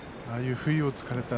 不意を突かれたら。